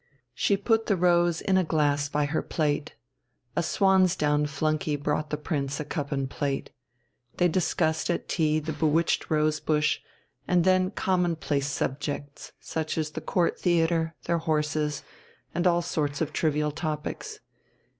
She put the rose in a glass by her plate. A swan's down flunkey brought the Prince a cup and plate. They discussed at tea the bewitched rose bush, and then commonplace subjects, such as the Court Theatre, their horses, and all sorts of trivial topics.